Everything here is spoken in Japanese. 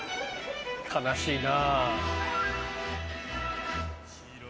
悲しいな。